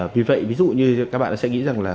vì vậy ví dụ như các bạn sẽ nghĩ rằng là